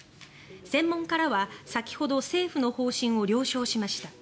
専門家らは先ほど政府の方針を了承しました。